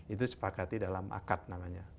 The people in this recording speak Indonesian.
itu disepakati dalam akad namanya